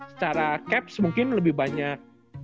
secara caps mungkin lebih banyak